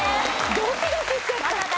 ドキドキしちゃった。